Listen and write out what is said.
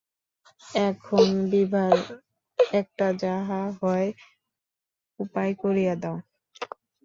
এখন বিভার একটা যাহা হয় উপায় করিয়া দাও।